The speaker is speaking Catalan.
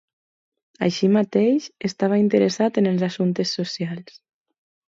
Així mateix, estava interessat en els assumptes socials.